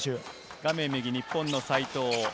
画面右、日本の西藤。